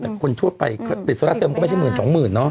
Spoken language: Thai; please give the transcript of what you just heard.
แต่คนทั่วไปติดโซลาเซมก็ไม่ใช่หมื่นสองหมื่นเนาะ